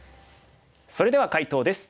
それでは解答です。